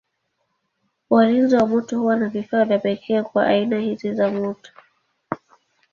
Walinzi wa moto huwa na vifaa vya pekee kwa aina hizi za moto.